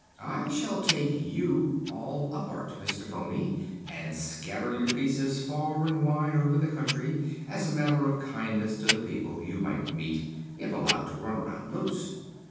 I shall take you all apart, Mr. Phony, and scatter your pieces far and wide over the country, as a matter of kindness to the people you might meet if allowed to run around loose.